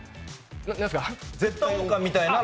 絶対音感みたいな？